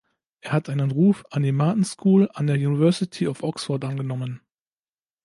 Er hat einen Ruf an die Martin School an der University of Oxford angenommen.